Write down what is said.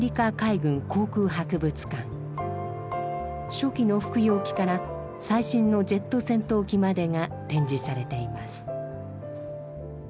初期の複葉機から最新のジェット戦闘機までが展示されています。